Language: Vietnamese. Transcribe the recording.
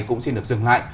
cũng xin được dừng lại